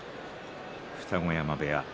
二子山部屋。